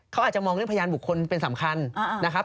เขาอาจจะมองเรื่องพยานบุคคลเป็นสำคัญนะครับ